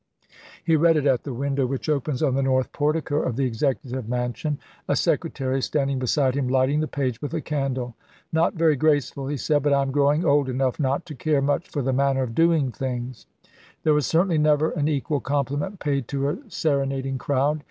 He read it at the window which opens on the north portico of the Executive Mansion, a secretary standing beside him lighting the page with a candle. " Not very graceful," he said, "but I am growing old enough not to care much for the manner of doing things." There was Diary, certainly never an equal compliment paid to a sere nading crowd.